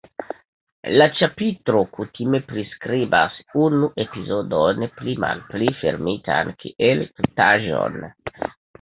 La ĉapitro kutime priskribas unu epizodon pli malpli fermitan kiel tutaĵon.